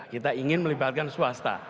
kita ingin melibatkan swasta